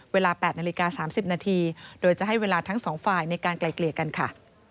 เวลา๘นาฬิกา๓๐นาทีโดยจะให้เวลาทั้งสองฝ่ายในการไกลเกลี่ยกันค่ะ